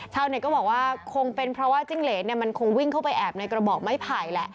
เช้าเน้กก็บอกว่ามันคงเค้าวิ่งเข้าไปแอบในกระบอกไม้ไผ่